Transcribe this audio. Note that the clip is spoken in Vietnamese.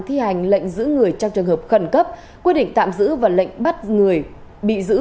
thi hành lệnh giữ người trong trường hợp khẩn cấp quy định tạm giữ và lệnh bắt người bị giữ